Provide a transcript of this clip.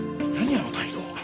あの態度？